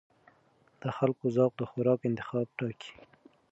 د خلکو ذوق د خوراک انتخاب ټاکي.